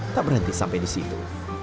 tak berhenti sampai di situ